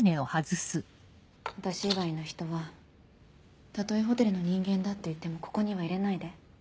私以外の人はたとえホテルの人間だって言ってもここには入れないで。